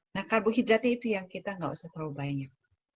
nah karbohidratnya itu yang kita nggak usah terlalu banyak